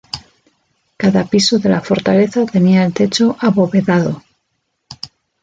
Cada piso de la fortaleza tenía el techo abovedado.